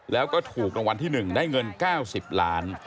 แล้วก็ถูกรางวัลที่๑ได้เงิน๙๐ล้าน